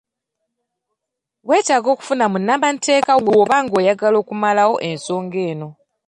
Wetaaga okufuna munnamateeka bwoba oyagala okumalawo ensonga eno.